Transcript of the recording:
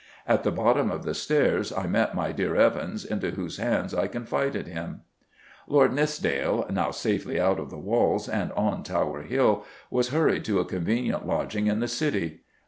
At the bottom of the stairs I met my dear Evans, into whose hands I confided him." Lord Nithsdale, now safely out of the walls and on Tower Hill, was hurried to a convenient lodging in the City.